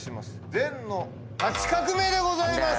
「膳」の８画目でございます。